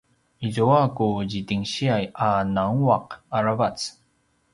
izua ku zidingsiya a nguanguaq aravac